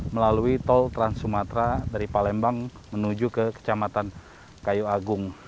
melalui tol trans sumatera dari palembang menuju ke kecamatan kayu agung